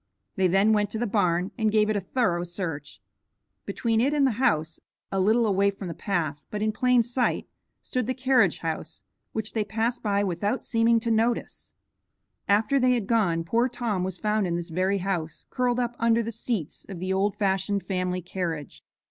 They then went to the barn and gave it a thorough search. Between it and the house, a little away from the path, but in plain sight, stood the carriage house, which they passed by without seeming to notice. After they had gone, poor Tom was found in this very house, curled up under the seats of the old fashioned family carriage.